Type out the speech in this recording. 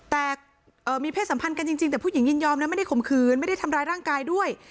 แต่มีเพศสัมพันธ์กันจริงแต่ผู้หญิงยินยอมนะไม่ได้ข่มขืนไม่ได้ทำร้ายร่างกายด้วย